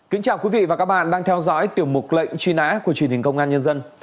kính chào quý vị và các bạn đang theo dõi tiểu mục lệnh truy nã của truyền hình công an nhân dân